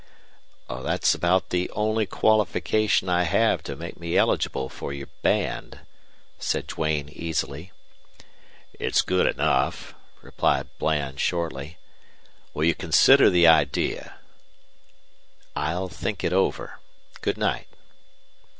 "That's about the only qualification I have to make me eligible for your band," said Duane, easily. "It's good enough," replied Bland, shortly. "Will you consider the idea?" "I'll think it over. Good night."